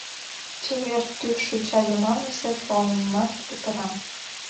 Чевер тӱс шинча йымалнысе пуалмымат петыра.